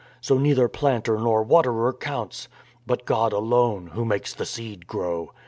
So neither planter nor waterer counts, but God alone Who makes the seed grow.